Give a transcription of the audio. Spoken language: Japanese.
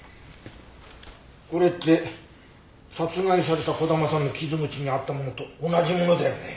これって殺害された児玉さんの傷口にあったものと同じものだよね。